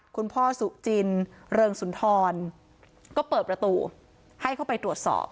คุณพ่อสุจินเริงสุนทรก็เปิดประตูให้เข้าไปตรวจสอบ